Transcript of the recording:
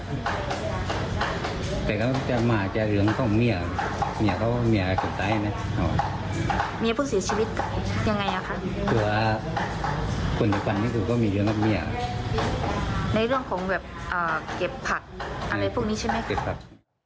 เก็บผักอะไรพวกนี้ใช่ไหมครับเก็บผัก